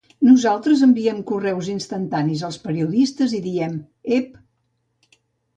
Nosaltres enviem correus instantanis als periodistes i diem: Ep!